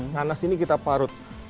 nanas ini kita parut